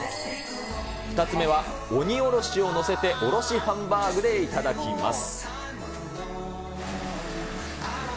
２つ目は鬼おろしを載せておろしハンバーグで頂きます。